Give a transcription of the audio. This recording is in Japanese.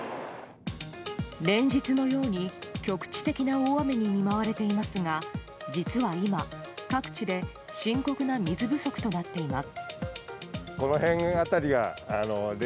連日のように局地的な大雨に見舞われていますが実は今、各地で深刻な水不足となっています。